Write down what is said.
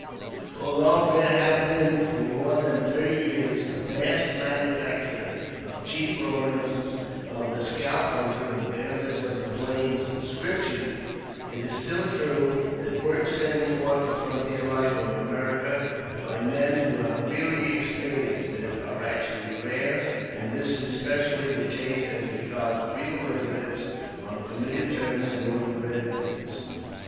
HOUGH there has been for more than thirty years a vast manufacture of cheap romances of the " Scalp Hunter " and ''Bandits of the Plains" description, it is still true that works setting forth the frontier life of America by men who have really experienced it, are actually rare, and this is specially the case as regards real residence on familiar terms among the Red Indians.